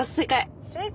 正解！